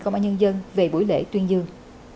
công an nhân dân về buổi lễ tuyên dương